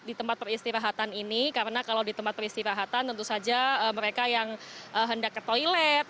di tempat peristirahatan ini karena kalau di tempat peristirahatan tentu saja mereka yang hendak ke toilet